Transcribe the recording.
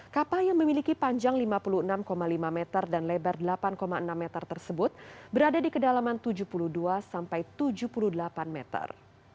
kapal yang memiliki panjang lima puluh enam lima meter dan lebar delapan enam meter tersebut berada di kedalaman tujuh puluh dua sampai tujuh puluh delapan meter